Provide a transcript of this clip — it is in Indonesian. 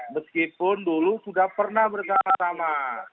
meskipun dulu sudah pernah bersama sama